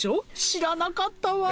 知らなかったわ。